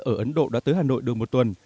ở ấn độ đã tới hà nội được một tuần